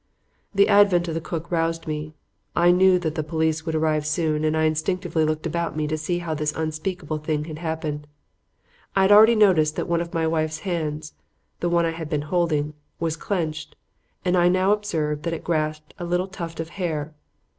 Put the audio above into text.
"The advent of the cook roused me. I knew that the police would arrive soon and I instinctively looked about me to see how this unspeakable thing had happened. I had already noticed that one of my wife's hands the one that I had not been holding was clenched, and I now observed that it grasped a little tuft of hair.